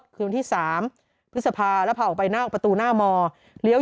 รถคือที่สามพฤษภาแล้วพาออกไปหน้าประตูหน้ามอเลี้ยว